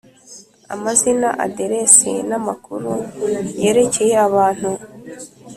Amazina aderesi n amakuru yerekeye abantu